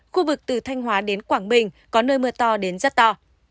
khu vực từ thanh hóa đến quảng bình có nơi mưa to đến rất to